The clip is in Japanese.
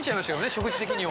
食事的には。